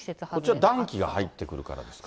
こちら暖気が入ってくるからですか。